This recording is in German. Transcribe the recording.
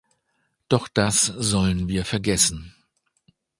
Doch das sollen wir vergessen.